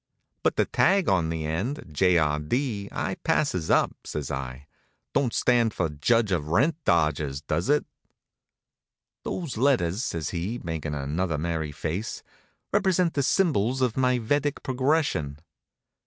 "But the tag on the end J. R. D. I passes up," says I. "Don't stand for Judge of Rent Dodgers, does it?" "Those letters," says he, makin' another merry face, "represent the symbols of my Vedic progression."